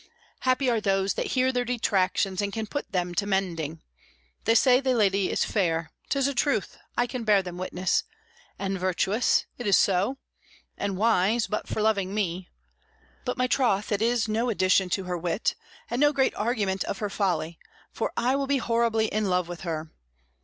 Happy are those that hear their detractions and can put them to mending. They say the lady is fair; 'tis a truth, I can bear them witness. And virtuous; it is so. And wise; but for loving me. By my troth, it is no addition to her wit, and no great argument of her folly, for I will be horribly in love with her.